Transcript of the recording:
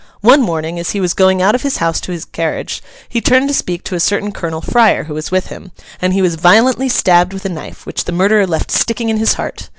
One morning, as he was going out of his house to his carriage, he turned to speak to a certain Colonel Fryer who was with him; and he was violently stabbed with a knife, which the murderer left sticking in his heart.